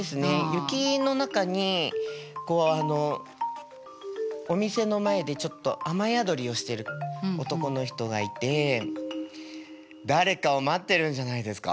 雪の中にお店の前でちょっと雨宿りをしている男の人がいて誰かを待っているんじゃないですか？